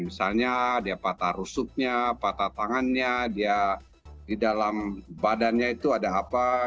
misalnya dia patah rusuknya patah tangannya dia di dalam badannya itu ada apa